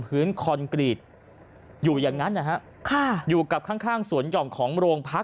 คอนกรีตอยู่อย่างนั้นนะฮะค่ะอยู่กับข้างข้างสวนหย่อมของโรงพัก